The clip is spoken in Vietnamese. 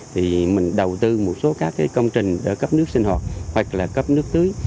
thì mình đầu tư một số các công trình để cấp nước sinh hoạt hoặc là cấp nước tưới